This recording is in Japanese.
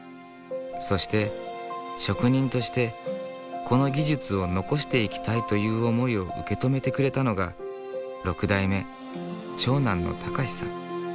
そして職人としてこの技術を残していきたいという思いを受け止めてくれたのが６代目長男の敬さん。